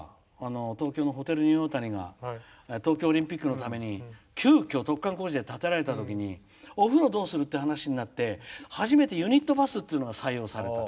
東京のホテルニューオータニが東京オリンピックのために急きょ、突貫工事で建てられたときにお風呂、どうするって話になって初めてユニットバスというのが採用された。